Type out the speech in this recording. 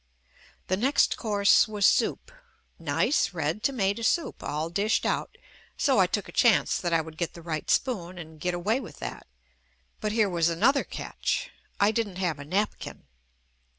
The next course was soup — nice red tomato soup, all dished out, so I took a chance that I would get the right spoon and get away with that — but here was another catch, I didn't have a napkin.